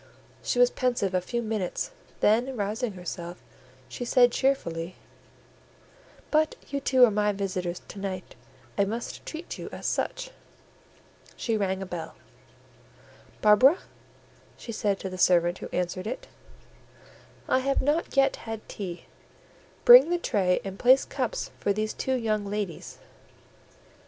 She was pensive a few minutes, then rousing herself, she said cheerfully— "But you two are my visitors to night; I must treat you as such." She rang her bell. "Barbara," she said to the servant who answered it, "I have not yet had tea; bring the tray and place cups for these two young ladies."